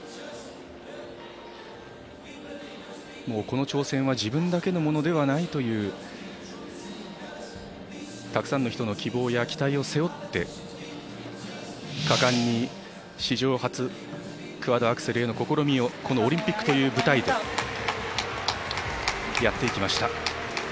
もうこの挑戦は自分だけのものではないというたくさんの人の期待や希望を背負って果敢に史上初クワッドアクセルへの試みをこのオリンピックという舞台でやっていきました。